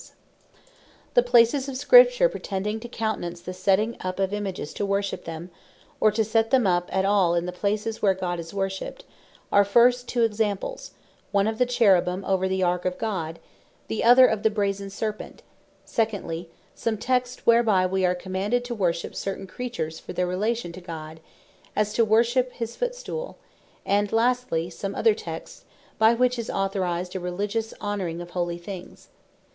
Answer To Certain Seeming Texts For Images The places of Scripture pretended to countenance the setting up of Images, to worship them; or to set them up at all in the places where God is worshipped, are First, two Examples; one of the Cherubins over the Ark of God; the other of the Brazen Serpent: Secondly, some texts whereby we are commanded to worship certain Creatures for their relation to God; as to worship his Footstool: And lastly, some other texts, by which is authorized, a religious honoring of Holy things.